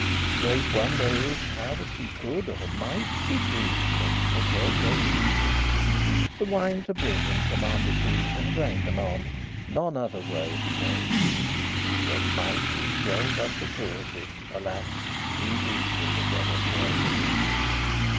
Great wonder is, how that he could or might Be doomesman* of her deade beauty: *judge The wine to bringe him commanded he, And drank anon; none other woe he made, When might is joined unto cruelty, Alas! too deepe will the venom wade.